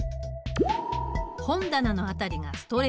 本棚の辺りがストレージ。